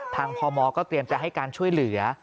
พมก็เตรียมจะให้การช่วยเหลือ